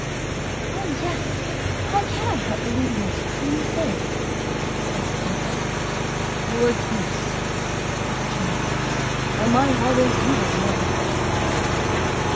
"Oh yes; how can I help believing it, when you say it", said the Princess. "You're a goose", said the Giant; "where my heart is, you will never come."